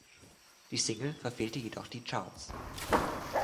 Die Single verfehlte jedoch die Charts.